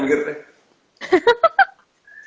yang gak baik baik binggir deh